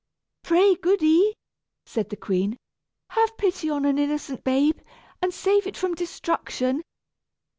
"Pray, goody," said the queen, "have pity on an innocent babe, and save it from destruction.